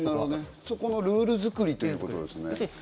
そこのルール作りということですね。